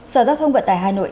sở giao thông vận tải hà nội